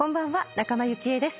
仲間由紀恵です。